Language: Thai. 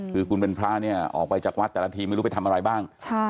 คือคุณเป็นพระเนี่ยออกไปจากวัดแต่ละทีไม่รู้ไปทำอะไรบ้าง